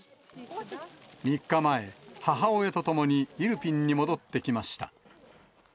３日前、母親と共にイルピンに戻ってきました。